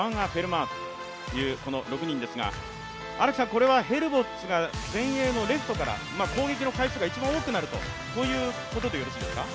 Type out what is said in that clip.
これはヘルボッツが前衛のレフトから、攻撃の回数が一番多くなるということでよろしいですか？